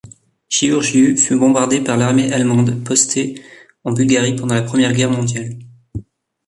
Giurgiu fut bombardée par l'armée allemande postée en Bulgarie pendant la Première Guerre mondiale.